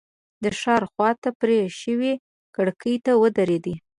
د ښار خواته پرې شوې کړکۍ ته ودرېد.